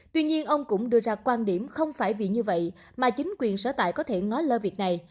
tuy nhiên ông cũng đưa ra quan điểm không phải vì như vậy mà chính quyền sở tại có thể ngó lơ việc này